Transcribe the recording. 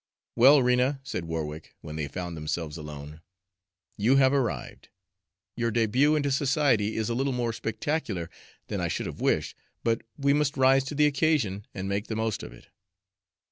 "Well, Rena," said Warwick, when they found themselves alone, "you have arrived. Your debut into society is a little more spectacular than I should have wished, but we must rise to the occasion and make the most of it.